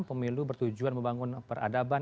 pemilu bertujuan membangun peradaban